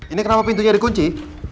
ini kenapa pintunya dikunci